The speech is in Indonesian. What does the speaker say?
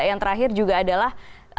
yang terakhir juga adalah